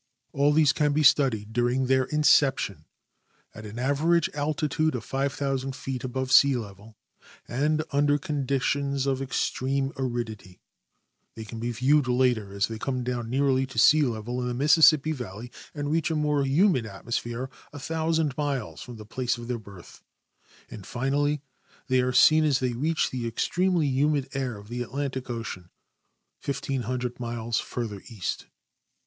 All these can be studied during? their incejjtion at an average altitude of 5,000 feet above sea level and under conditions of extreme aridit}' ; they can be viewed later as they come down nearly to sea level in tlie Mississippi valley and reach a more humid atmosj)here 1,000 miles from the place of their birth ; and. finally, they are seen as they reach the ex tremely humid air of the Atlantic ocean, l,oOO miles farther east.